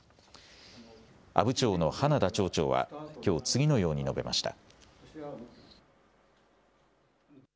阿武町の花田町長はきょう次のように述べました。